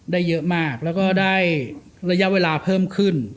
ได้เยอะมากแล้วก็ได้ระยะเวลาเพิ่มขึ้น